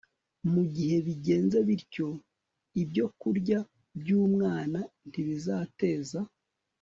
Mu gihe bigenze bityo ibyokurya byumwana ntibizateza